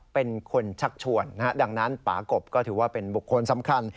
เป็นคนชักชวนดังนั้นป่ากบก็ถือว่าเป็นบุคคลสำคัญ